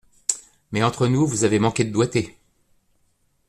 Mais, entre nous, vous avez manqué de doigté.